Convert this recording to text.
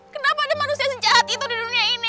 kenapa ada manusia sejahat itu di dunia ini